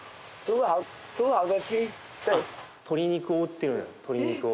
鶏肉を売ってるんや鶏肉を。